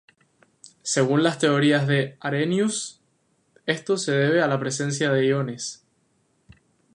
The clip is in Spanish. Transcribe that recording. Según las teorías de Arrhenius, esto se debe a la presencia de iones.